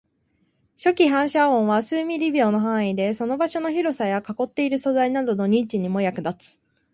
初期反射音は数ミリ秒の範囲で、その場所の広さや囲っている素材などの認知にも役立つ